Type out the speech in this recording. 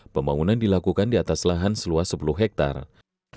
pembangunan dilakukan di atas lahan seluas sepuluh hektare